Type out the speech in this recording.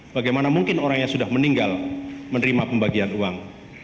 bagaimana mungkin orang yang sudah meninggal menerima pembagian uang